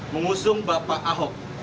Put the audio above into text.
mengusung bapak ahok